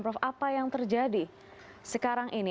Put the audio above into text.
prof apa yang terjadi sekarang ini